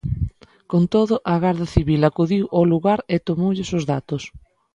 Con todo, a Garda Civil acudiu o lugar e tomoulles os datos.